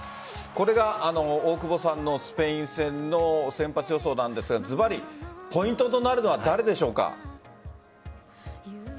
これが大久保さんのスペイン戦の先発予想なんですがずばりポイントとなるのは誰でしょうか。